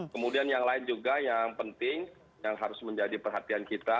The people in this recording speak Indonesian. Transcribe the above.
kemudian yang lain juga yang penting yang harus menjadi perhatian kita